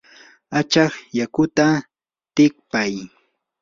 achaq yakuta tikpay.